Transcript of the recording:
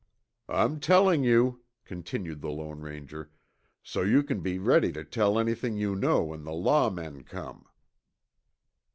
"I'm telling you," continued the Lone Ranger, "so you can be ready to tell anything you know when the law men come."